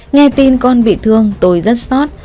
nghe tin con bị thương tôi rất xót